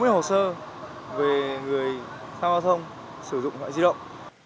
bốn mươi hồ sơ về người thao giao thông sử dụng loại di động